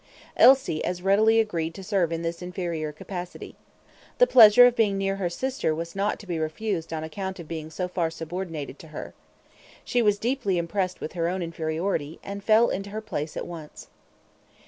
Elsie as readily agreed to serve in this inferior capacity. The pleasure of being near her sister was not to be refused on account of being so far subordinated to her. She was deeply impressed with her own inferiority, and fell into her place at once.